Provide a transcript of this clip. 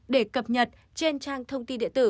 để cập nhật trên trang thông tin địa tử